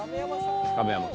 亀山君